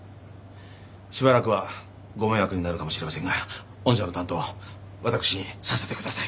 しばらくはご迷惑になるかもしれませんが御社の担当私にさせてください。